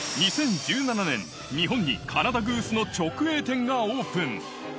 ２０１７年、日本にカナダグースの直営店がオープン。